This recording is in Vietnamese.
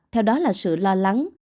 theo đó là sự lo lắng